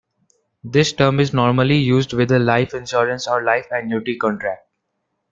This term is normally used with a life insurance or life annuity contract.